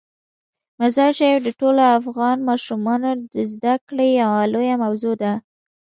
مزارشریف د ټولو افغان ماشومانو د زده کړې یوه لویه موضوع ده.